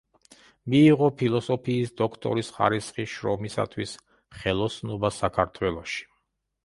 მიიღო ფილოსოფიის დოქტორის ხარისხი შრომისათვის „ხელოსნობა საქართველოში“.